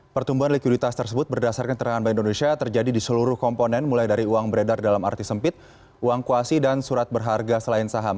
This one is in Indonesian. pertumbuhan likuiditas tersebut berdasarkan terangan bank indonesia terjadi di seluruh komponen mulai dari uang beredar dalam arti sempit uang kuasi dan surat berharga selain saham